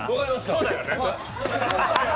そうだよね。